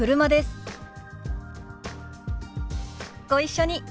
ご一緒に。